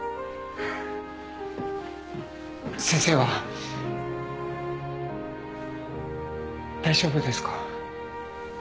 先生は大丈夫ですか？